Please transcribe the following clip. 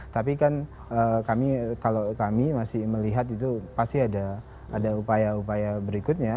tapi kan kalau kami masih melihat itu pasti ada upaya upaya berikutnya